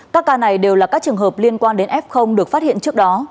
các ca này đều là các trường hợp liên quan đến f được phát hiện trước đó